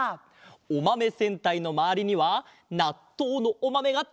「おまめ戦隊」のまわりにはなっとうのおまめがたくさん！